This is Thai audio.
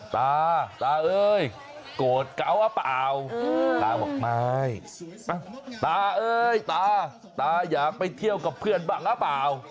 ตาตาเอ้ยโกรธเกาหรือเปล่าตาบอกไม่ตาเอ้ยตาตาอยากไปเที่ยวกับเพื่อนบ้างหรือเปล่า